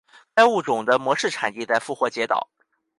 该物种的模式产地在复活节岛。